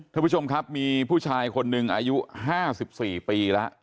ท่านผู้ชมครับมีผู้ชายคนหนึ่งอายุ๕๔ปีแล้ว